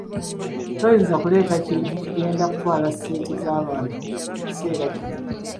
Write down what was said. Toyinza kuleeta kintu kigenda kutwala ssente z'abantu mu kiseera kino.